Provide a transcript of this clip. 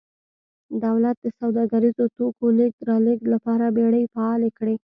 دولت د سوداګریزو توکو لېږد رالېږد لپاره بېړۍ فعالې کړې